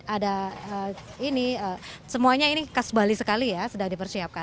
ada ini semuanya ini khas bali sekali ya sedang dipersiapkan